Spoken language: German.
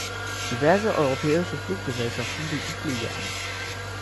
Diverse europäische Fluggesellschaften bieten Flüge an.